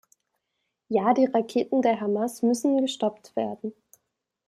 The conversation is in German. Ja, die Raketen der Hamas müssen gestoppt werden.